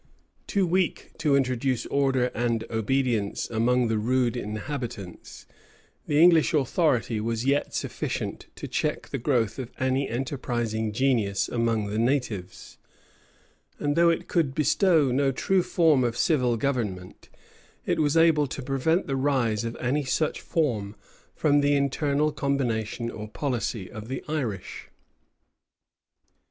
Too weak to introduce order and obedience among the rude inhabitants, the English authority was yet sufficient to check the growth of any enterprising genius among the natives: and though it could bestow no true form of civil government, it was able to prevent the rise of any such form from the internal combination or policy of the Irish.